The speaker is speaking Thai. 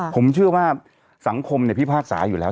ผมเชื่อว่าสังคมพิพากษาอยู่แล้ว